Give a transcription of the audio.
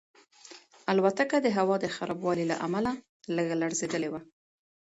الوتکه د هوا د خرابوالي له امله لږه لړزېدلې وه.